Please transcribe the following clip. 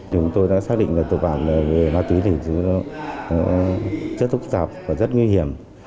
chúng tôi đã xác định là tội phạm về ma túy thì rất thúc giảp và rất nguy hiểm